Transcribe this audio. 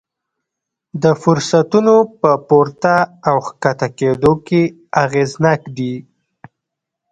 د فرصتونو په پورته او ښکته کېدو کې اغېزناک دي.